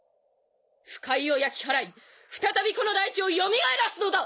腐海を焼き払い再びこの大地をよみがえらすのだ！